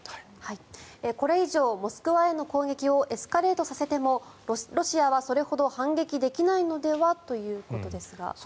これ以上モスクワへの攻撃をエスカレートさせてもロシアはそれほど反撃できないのでは？ということですが。